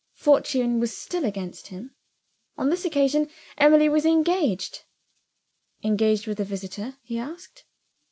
Fortune was still against him. On this occasion, Emily was engaged. "Engaged with a visitor?" he asked.